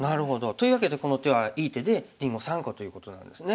というわけでこの手はいい手でりんご３個ということなんですね。